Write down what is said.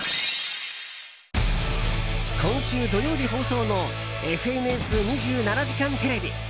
今週土曜日放送の「ＦＮＳ２７時間テレビ」。